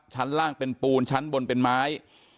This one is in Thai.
ชั้นล่างเป็นปูนชั้นบนเป็นไม้